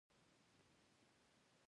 هغوی د حل په ځای انتظار غوره کړ.